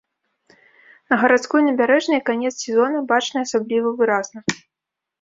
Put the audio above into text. На гарадской набярэжнай канец сезона бачны асабліва выразна.